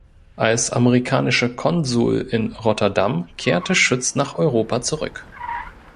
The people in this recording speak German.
Als amerikanischer Konsul in Rotterdam kehrte Schütz nach Europa zurück.